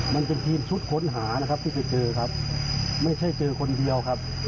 มันเป็นทีมชุดค้นหานะครับที่ไปเจอครับไม่ใช่เจอคนเดียวครับ